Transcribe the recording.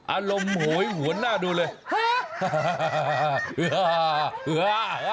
อารมณ์โหยหัวหน้าดูเลย